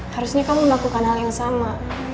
harusnya kamu melakukan hal yang sama